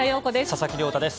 佐々木亮太です。